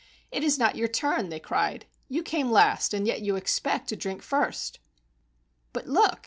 "It is not your turn," they cried. "You came last, and yet you expect to drink first." " But look!